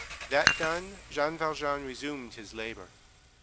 That done, Jean Valjean resumed his labor.